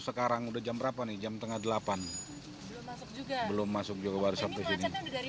sekarang udah jam berapa nih jam tengah delapan belum masuk juga belum masuk juga warisabu ini